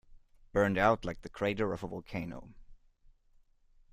Burnt out like the crater of a volcano.